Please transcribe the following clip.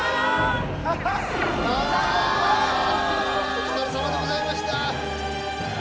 お疲れさまでございました。